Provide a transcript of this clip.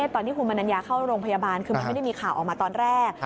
ตอนที่คุณมนัญญาเข้าโรงพยาบาลคือมันไม่ได้มีข่าวออกมาตอนแรก